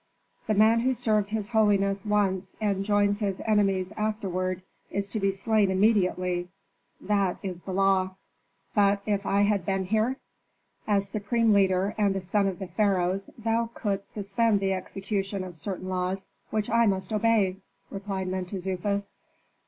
The man who served his holiness once and joins his enemies afterward is to be slain immediately that is the law." "But if I had been here?" "As supreme leader and a son of the pharaoh thou couldst suspend the execution of certain laws which I must obey," replied Mentezufis.